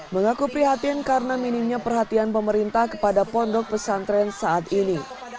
mengaku prihatin karena minimnya perhatian pemerintah kepada pondok pesantren saat ini